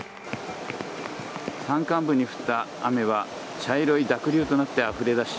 山間部に降った雨は茶色い濁流となってあふれ出し